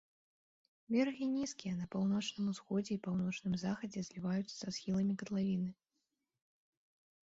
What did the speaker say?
Берагі нізкія, на паўночным усходзе і паўночным захадзе зліваюцца са схіламі катлавіны.